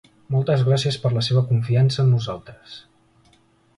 Moltes gràcies per la seva confiança en nosaltres.